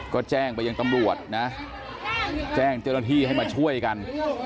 ก็แจ้งไปยังตำรวจนะแจ้งเจ้าหน้าที่ให้มาช่วยกัน